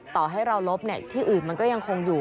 ต่อให้เราลบที่อื่นมันก็ยังคงอยู่